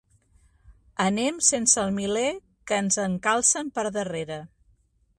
Anem sense el miler que ens encalcen per darrere.